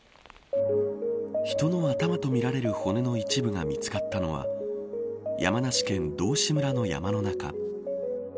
人の頭とみられる骨の一部が見つかったのは山梨県道志村の山の中。